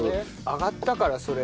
上がったからそれ。